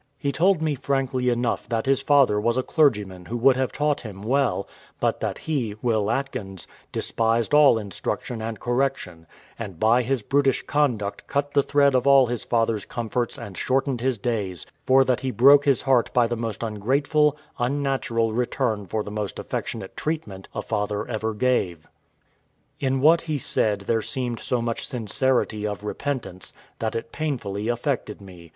He told me frankly enough that his father was a clergyman who would have taught him well, but that he, Will Atkins, despised all instruction and correction; and by his brutish conduct cut the thread of all his father's comforts and shortened his days, for that he broke his heart by the most ungrateful, unnatural return for the most affectionate treatment a father ever gave. In what he said there seemed so much sincerity of repentance, that it painfully affected me.